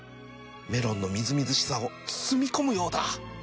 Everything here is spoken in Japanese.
メロンのみずみずしさを包み込むようだ